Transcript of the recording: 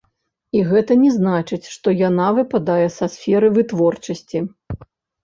І гэта не значыць, што яна выпадае са сферы вытворчасці.